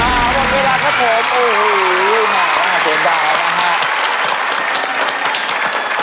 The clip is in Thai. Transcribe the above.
๕๐บาทแล้วครับ